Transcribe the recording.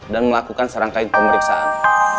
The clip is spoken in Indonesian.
dan melakukan serangkai pemeriksaan